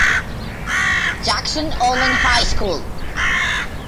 Jackson-Olin High School.